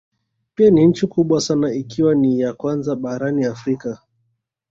Pia ni nchi kubwa sana ikiwa ni ya kwanza barani Afrika